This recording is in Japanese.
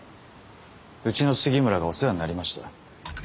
うちの杉村がお世話になりました。